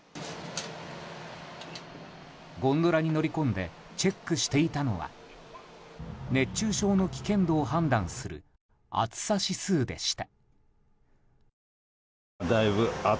ゴンドラに乗り込んでチェックしていたのは熱中症の危険度を判断する暑さ指数でした。